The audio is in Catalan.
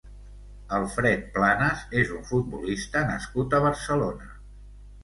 Alfred Planas és un futbolista nascut a Barcelona.